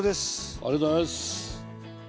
ありがとうございます。